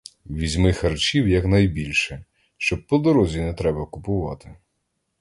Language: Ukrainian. Візьми харчів якнайбільше, щоб по дорозі не треба купувати.